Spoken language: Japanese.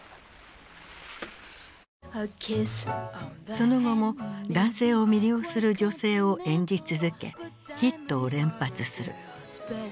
その後も男性を魅了する女性を演じ続けヒットを連発する。